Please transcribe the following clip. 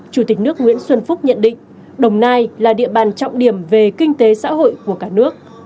chủ tịch nước nguyễn xuân phúc nhận định đồng nai là địa bàn trọng điểm về kinh tế xã hội của cả nước